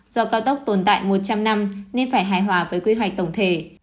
do cao tốc tồn tại một trăm linh năm nên phải hài hòa với quy hoạch tổng thể